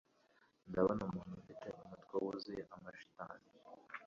Ndabona umuntu ufite umutwe wuzuye amashitani